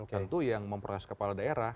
tentu yang memproses kepala daerah